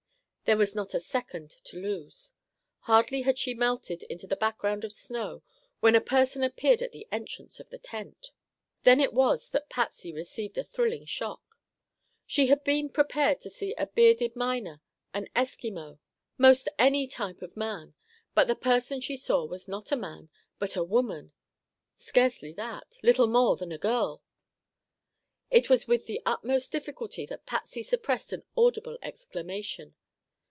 There was not a second to lose. Hardly had she melted into the background of snow when a person appeared at the entrance of the tent. Then it was that Patsy received a thrilling shock. She had been prepared to see a bearded miner, an Eskimo, most any type of man. But the person she saw was not a man, but a woman; scarcely that—little more than a girl. It was with the utmost difficulty that Patsy suppressed an audible exclamation.